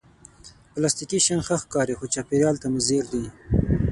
پلاستيکي شیان ښه ښکاري، خو چاپېریال ته مضر دي